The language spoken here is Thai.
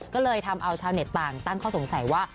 ก็เลยทำเอาชาวเน็ตต่างตั้งข้อสงสัยว่า